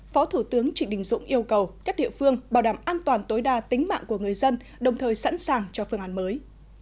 phó thủ tướng trịnh đình dũng yêu cầu các địa phương bảo đảm an toàn tối đa tính mạng của người dân đồng thời sẵn sàng cho phương án mới